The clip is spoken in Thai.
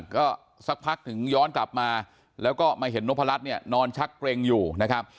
ก็สักพักถึงย้อนกลับมาแล้วก็มาเห็นนพรัชเนี่ยนอนชักเกร็งอยู่นะครับ